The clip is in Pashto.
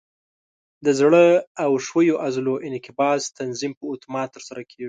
د زړه او ښویو عضلو انقباض تنظیم په اتومات ترسره کېږي.